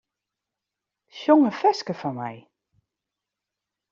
Sjong in ferske foar my.